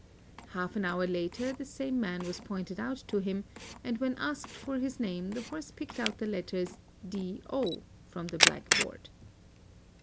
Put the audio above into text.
"' Half an hour later the same man was pointed out to him, and when asked for his name the horse picked but the letters D o from Ae blackboard.